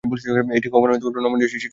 এটি কখনও কখনও নমনীয় শিকড় গঠন করে।